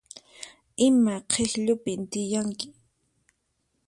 Ima k'ikllupin tiyanki?